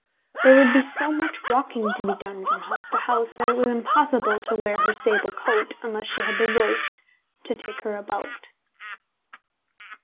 There would be so much walking to be done from house to house, that it was impossible to wear her sable coat unless she had the Royce to take her about.